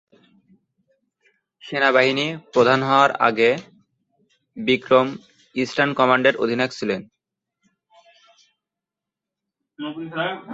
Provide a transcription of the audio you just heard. সেনাবাহিনী প্রধান হওয়ার আগে বিক্রম ইস্টার্ন কমান্ডের অধিনায়ক ছিলেন।